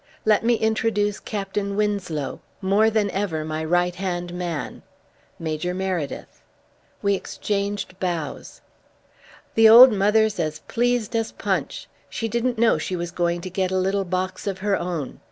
"Let me introduce Captain Winslow, more than ever my right hand man Major Meredyth." We exchanged bows. "The old mother's as pleased as Punch. She didn't know she was going to get a little box of her own.